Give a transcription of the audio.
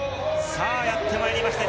さぁ、やってまいりました。